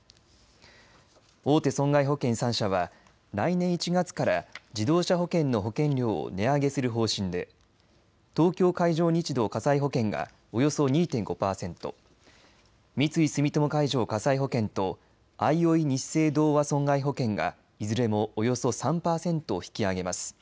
大手損害保険３社は来年１月から自動車保険の保険料を値上げする方針で東京海上日動火災保険がおよそ２．５パーセント三井住友海上火災保険とあいおいニッセイ同和損害保険がいずれもおよそ３パーセント引き上げます。